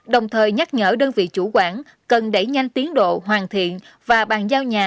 đồng thời nhắc nhở đơn vị chủ quản cần đẩy nhanh tiến độ hoàn thiện và bàn giao nhà